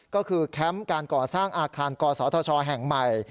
ก็คือแคมป์การก่อสร้างอาคารกศธชแห่งใหม่